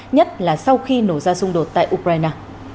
nhất là sau khi nổ ra xung đột tại ukraine